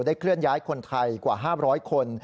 เคลื่อนย้ายคนไทยกว่า๕๐๐คน